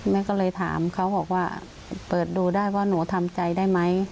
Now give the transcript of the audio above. แม่ก็เลยถามเขาบอกว่าเปิดดูได้ว่าหนูทำใจได้ไหม